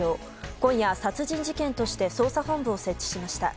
今夜、殺人事件として捜査本部を設置しました。